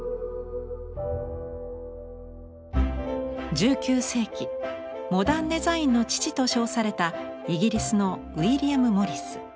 １９世紀モダン・デザインの父と称されたイギリスのウィリアム・モリス。